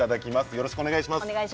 よろしくお願いします。